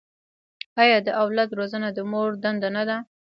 آیا د اولاد روزنه د مور دنده نه ده؟